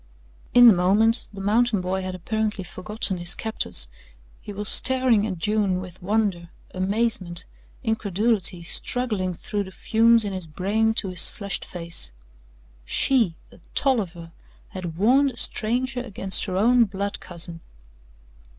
In the moment, the mountain boy had apparently forgotten his captors he was staring at June with wonder, amazement, incredulity struggling through the fumes in his brain to his flushed face. She a Tolliver had warned a stranger against her own blood cousin.